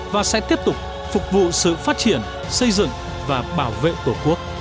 và sẽ tiếp tục phục vụ sự phát triển xây dựng và bảo vệ tổ quốc